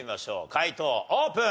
解答オープン！